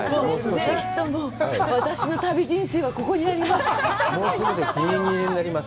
ぜひとも私の旅人生はここにあります！